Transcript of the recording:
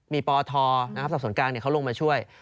มีปธนะครับสับสนกลางเนี่ยเขาลงมาช่วย